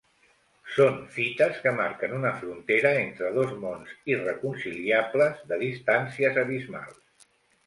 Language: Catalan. Són fites que marquen una frontera entre dos mons irreconciliables, de distàncies abismals.